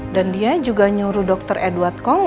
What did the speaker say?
dan dia juga nyuruh dokter edward kong